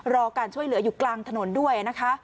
รอการช่วยเหลืออยู่กลางถนนด้วยนะคะ